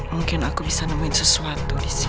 mungkin aku bisa nemuin sesuatu disini